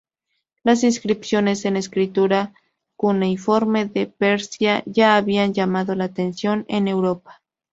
Las inscripciones en escritura cuneiforme de Persia ya habían llamado la atención en Europa.